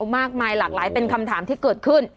มากมายหลากหลายเป็นคำถามที่เกิดขึ้น